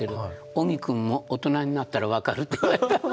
「尾木くんも大人になったら分かる」って言われたの。